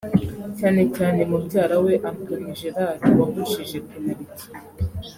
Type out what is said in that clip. cyane cyane mubyara we Anthony Gerrard wahushije penaliti